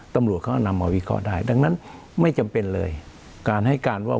ตำรวจเขานำมาวิเคราะห์ได้ดังนั้นไม่จำเป็นเลยการให้การว่า